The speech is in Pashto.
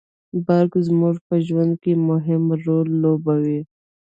برق زموږ په ژوند کي مهم رول لوبوي